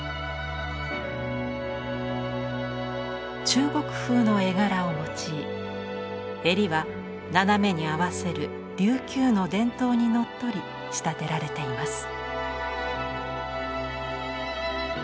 中国風の絵柄を用い襟は斜めに合わせる琉球の伝統にのっとり仕立てられています。